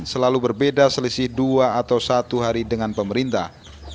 selalu berbeda selisih dua atau satu hari dengan pemerintah